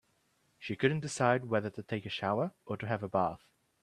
She couldn't decide whether to take a shower or to have a bath.